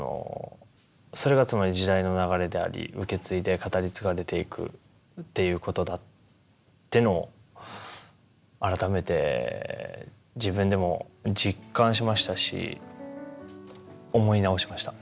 それがつまり時代の流れであり受け継いで語り継がれていくっていうことだっていうのを改めて自分でも実感しましたし思い直しました。